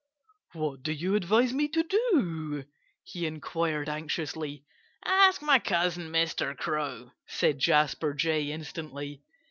"What do you advise me to do?" he inquired anxiously. "Ask my cousin, Mr. Crow," said Jasper Jay instantly.